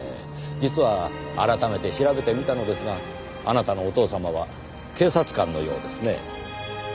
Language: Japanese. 実は改めて調べてみたのですがあなたのお父様は警察官のようですね。